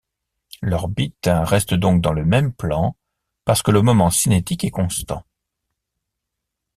L'orbite reste donc dans le même plan parce que le moment cinétique est constant.